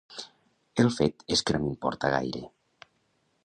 El fet és que no m'importa gaire.